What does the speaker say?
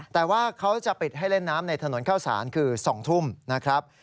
แต่ว่าเขาจะปิดให้เล่นน้ำในถนนเข้าสารคือ๒ทุ่มนะครับ